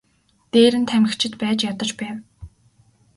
Дээр нь тамхичид байж ядаж байв.